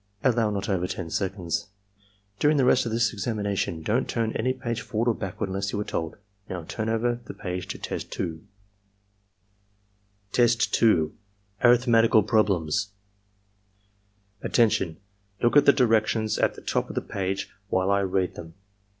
" (Allow not over 10 seconds.) *' During the rest of this examination don't turn any page forward or backward unless you are told to. Now turn over the page to Test 2." Test 2. — ^Arifhmetical Problems "Attention! Look at the directions at the top of the page while I read them.